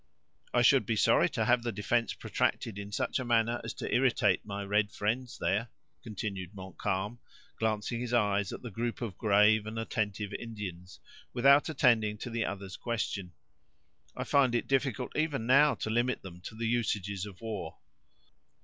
"I should be sorry to have the defense protracted in such a manner as to irritate my red friends there," continued Montcalm, glancing his eyes at the group of grave and attentive Indians, without attending to the other's questions; "I find it difficult, even now, to limit them to the usages of war."